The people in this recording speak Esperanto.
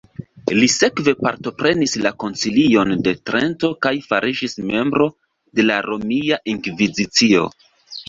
Li sekve partoprenis la koncilion de Trento kaj fariĝis membro de la Romia Inkvizicio.